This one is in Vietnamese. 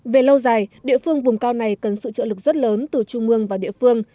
về lâu dài địa phương vùng cao này cần sự trợ lực rất lớn từ trung mương và địa phương